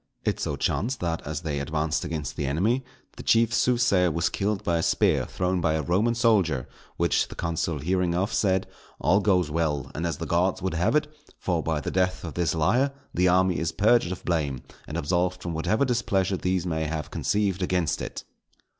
It so chanced that as they advanced against the enemy, the chief soothsayer was killed by a spear thrown by a Roman soldier; which, the consul hearing of, said, "_All goes well, and as the Gods would have it, for by the death of this liar the army is purged of blame and absolved from whatever displeasure these may have conceived against it_."